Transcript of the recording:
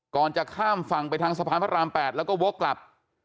ก่อนจะข้ามฝั่งไปทางสะพานพระราม๘แล้วก็วกกลับ